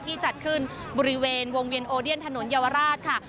จัดขึ้นบริเวณวงเวียนโอเดียนถนนเยาวราชค่ะ